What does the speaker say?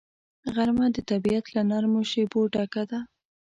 غرمه د طبیعت له نرمو شیبو ډکه ده